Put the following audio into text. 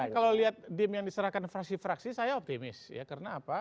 kalau lihat dim yang diserahkan fraksi fraksi saya optimis ya karena apa